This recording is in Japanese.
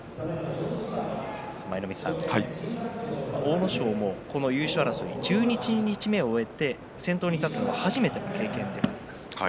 舞の海さん、阿武咲もこの優勝争い十一日目を終えて先頭に立つのは初めての経験となります。